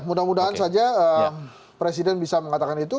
mudah mudahan saja presiden bisa mengatakan itu